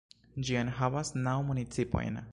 Ĝi enhavas naŭ municipojn.